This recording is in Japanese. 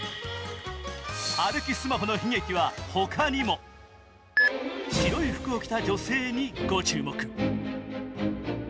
歩きスマホの悲劇は他にも。白い服を着た女性にご注目。